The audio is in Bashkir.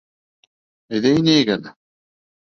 Әйҙә инәйек әле.